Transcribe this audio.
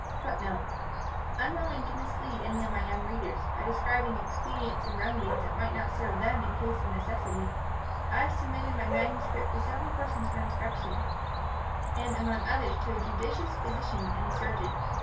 [#][#] Unwilling to mislead any of my young readers, by describing expedients and remedies that might not serve them in case of necessity, I have submitted my manuscript to several persons for inspection, and among others to a judicious physician and surgeon.